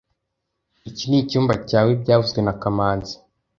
Iki nicyumba cyawe byavuzwe na kamanzi